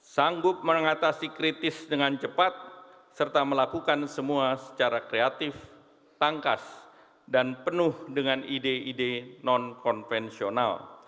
sanggup mengatasi kritis dengan cepat serta melakukan semua secara kreatif tangkas dan penuh dengan ide ide non konvensional